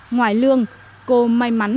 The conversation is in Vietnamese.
ngoài lương cô may mắn